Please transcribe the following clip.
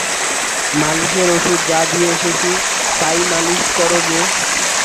মালিশের ওষুধ যা দিয়ে এসেছি তাই মালিশ করোগে।